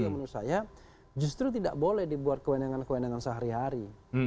yang menurut saya justru tidak boleh dibuat kewenangan kewenangan sehari hari